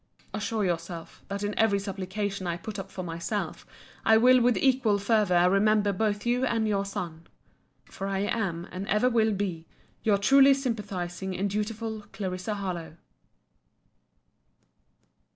—Assure yourself, that in every supplication I put up for myself, I will with equal fervour remember both you and your son. For I am and ever will be Your truly sympathising and dutiful CLARISSA HARLOWE.